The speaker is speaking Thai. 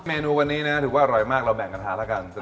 เมนูวันนี้นะถือว่าอร่อยมากเราแบ่งกันทานแล้วกัน